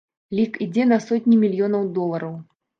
Лік ідзе на сотні мільёнаў долараў.